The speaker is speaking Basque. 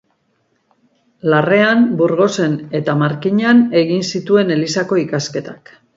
Larrean, Burgosen eta Markinan egin zituen Elizako ikasketak.